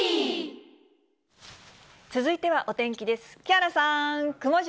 続いてはお天気です。